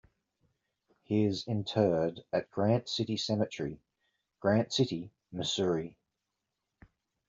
He is interred at Grant City Cemetery, Grant City, Missouri.